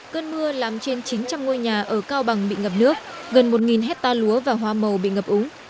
cơn mưa làm trên chín trăm linh ngôi nhà ở cao bằng bị ngập nước gần một hecta lúa và hoa màu bị ngập úng